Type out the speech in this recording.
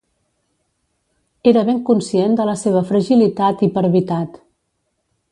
Era ben conscient de la seva fragilitat i parvitat.